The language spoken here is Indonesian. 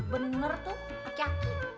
bener tuh aki aki